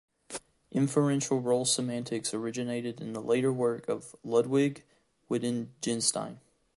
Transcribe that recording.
Inferential role semantics originated in the later work of Ludwig Wittgenstein.